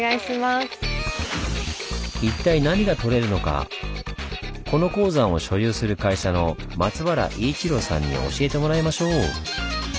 一体何がとれるのかこの鉱山を所有する会社の松原維一郎さんに教えてもらいましょう。